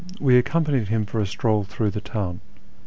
we accompanied him for a stroll through the town.